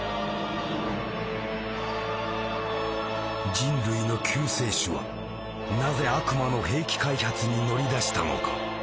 人類の救世主はなぜ「悪魔の兵器」開発に乗り出したのか？